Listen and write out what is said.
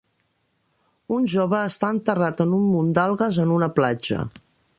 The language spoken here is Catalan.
Un jove està enterrat en un munt d'algues en una platja.